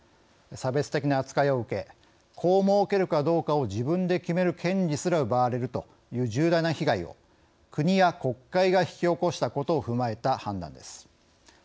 差別的な扱いを受け子をもうけるかどうかを自分で決める権利すら奪われるという重大な被害を国や国会が引き起こしたことを踏まえた判断です。